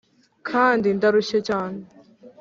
kandi ndarushye cyane